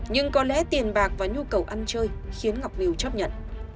nhưng có lẽ tiền bạc và nhu cầu ăn chơi khiến ngọc vil chấp nhận